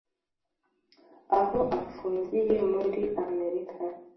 aho afungiye muri Amerika